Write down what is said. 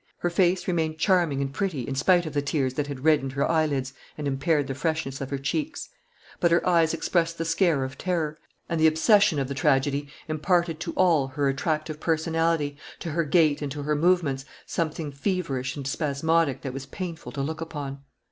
Her face remained charming and pretty in spite of the tears that had reddened her eyelids and impaired the freshness of her cheeks. But her eyes expressed the scare of terror; and the obsession of the tragedy imparted to all her attractive personality, to her gait and to her movements, something feverish and spasmodic that was painful to look upon.